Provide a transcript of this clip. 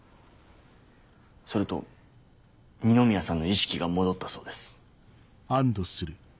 それと二宮さんの意識が戻ったそうです。